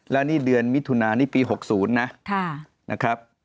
และนี่เดือนมิถุนานี่ปี๖๐นะ